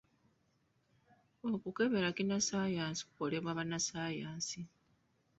Okukebera kinnassaayansi kukolebwa bannassaayansi.